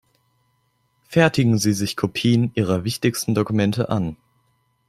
Fertigen Sie sich Kopien Ihrer wichtigsten Dokumente an.